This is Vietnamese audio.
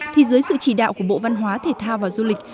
thì dưới sự chỉ đạo của bộ văn hóa thể thao và du lịch